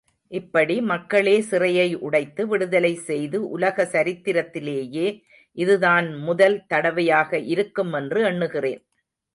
இப்படி மக்களே சிறையை உடைத்து விடுதலை செய்தது உலக சரித்திரத்திலேயே இதுதான் முதல் தடவையாக இருக்கும் என்று எண்ணுகிறேன்.